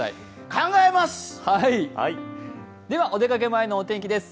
考えます！